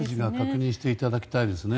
各自で確認していただきたいですね。